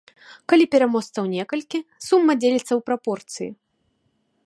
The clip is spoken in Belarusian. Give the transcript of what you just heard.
Калі пераможцаў некалькі, сума дзеліцца ў прапорцыі.